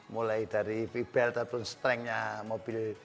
mulai dari v belt ataupun strengnya mobil